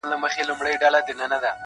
سړی راوستی عسکرو و قاضي ته,